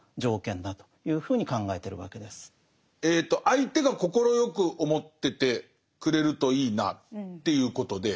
相手が快く思っててくれるといいなっていうことで。